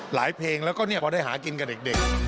เพลงแล้วก็พอได้หากินกับเด็ก